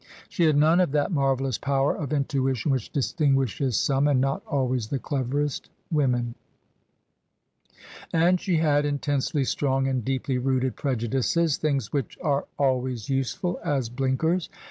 She had none of that marvellous power of intuition which distinguishes some — and not always the cleverest — women: and she had intensely strong and deeply rooted prejudices — things which are always useful as blinkers.